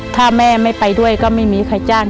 ถ้าแม่ไม่ไปด้วยก็ไม่มีใครจ้าง